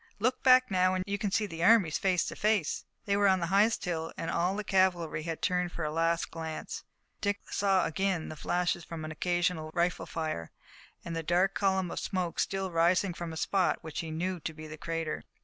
Look back now, and you can see the armies face to face." They were on the highest hill, and all the cavalry had turned for a last glance. Dick saw again the flashes from occasional rifle fire, and a dark column of smoke still rising from a spot which he knew to be the crater.